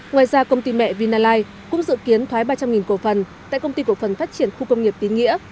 ngoài ra công ty mẹ vinalize cũng dự kiến thoái ba trăm linh cổ phần tại công ty cổ phần phát triển khu công nghiệp tín nghĩa